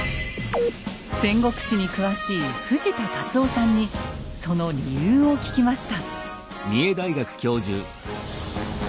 戦国史に詳しい藤田達生さんにその理由を聞きました。